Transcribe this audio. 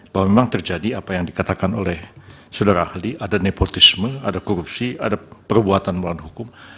bahwa memang terjadi apa yang dikatakan oleh saudara ahli ada nepotisme ada korupsi ada perbuatan melawan hukum